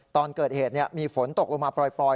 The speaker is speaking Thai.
ตอนเกิดเหตุมีฝนตกลงมาปล่อย